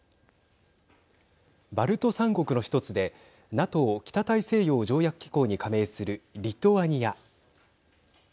バルト３国の１つでＮＡＴＯ＝北大西洋条約機構に加盟するリトアニア。